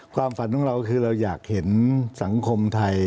ความฝันของเราคือเราอยากเห็นสังคมไทย